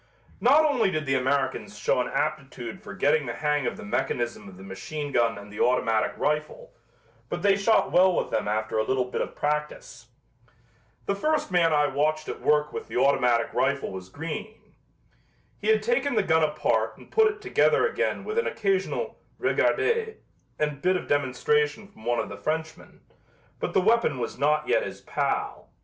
Not only did the Americans show an aptitude for getting the hang of the mechanism of the machine gun and the automatic rifle, but they shot well with them after a little bit of practice. The first man I watched at work with the automatic rifle was green. He had taken the gun apart and put it together again with an occasional "regardez" and bit of demonstration from one of the Frenchmen, but the weapon was not yet his pal.